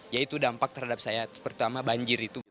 ya itu dampak terhadap saya terutama banjir itu